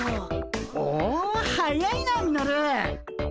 お速いなミノル！